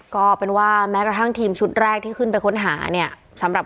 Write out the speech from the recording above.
ก็เป็นว่าแม้กระทั่งทีมชุดแรกที่ขึ้นไปค้นหาเนี่ยสำหรับ